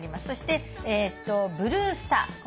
そしてブルースター。